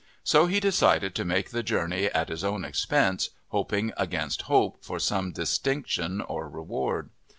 So he decided to make the journey at his own expense, hoping against hope for some distinction or reward.